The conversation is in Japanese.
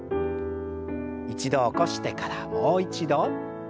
一度起こしてからもう一度。